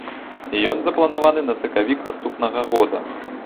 Ён запланаваны на сакавік наступнага года.